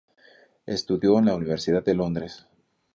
Estudió en la Universidad de Londres.